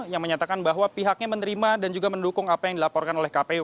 yang menyatakan bahwa pihaknya menerima dan juga mendukung apa yang dilaporkan oleh kpu